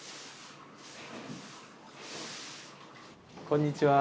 こんにちは。